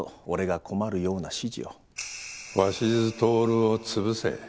鷲津亨を潰せ。